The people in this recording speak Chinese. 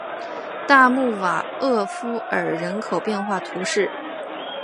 大穆瓦厄夫尔人口变化图示